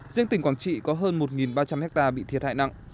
riêng tỉnh quảng trị có hơn một ba trăm linh hectare bị thiệt hại nặng